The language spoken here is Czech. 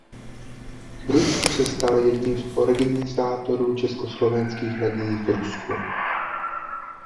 V Rusku se stal jedním z organizátorů Československých legií v Rusku.